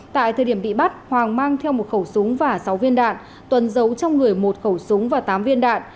tại thời điểm bị bắt hoàng mang theo một khẩu súng và sáu viên đạn tuần giấu trong người một khẩu súng và tám viên đạn